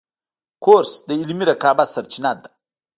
کورس د علمي رقابت سرچینه ده.